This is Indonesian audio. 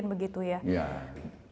ya itu luar biasa memang